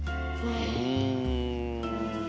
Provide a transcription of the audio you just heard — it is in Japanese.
うん。